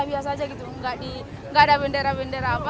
biasa aja gitu nggak ada bendera bendera apa